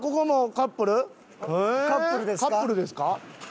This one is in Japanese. カップルですか？